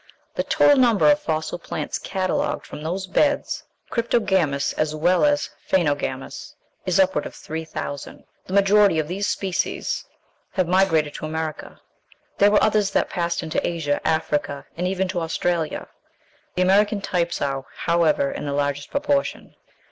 The total number of fossil plants catalogued from those beds, cryptogamous as well as phænogamous, is upward of three thousand. The majority of these species have migrated to America. There were others that passed into Asia, Africa, and even to Australia. The American types are, however, in the largest proportion.